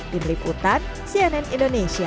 diberikutan cnn indonesia